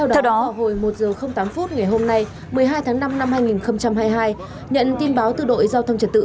theo đó hồi một h tám phút ngày hôm nay một mươi hai tháng năm năm hai nghìn hai mươi hai nhận tin báo từ đội giao thông trật tự